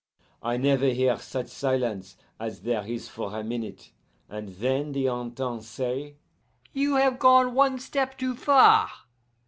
"I never hear such silence as there is for a minute, and then the Intendant say, 'You have gone one step too far.